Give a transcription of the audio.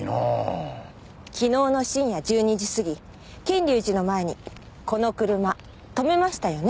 昨日の深夜１２時過ぎ賢隆寺の前にこの車止めましたよね？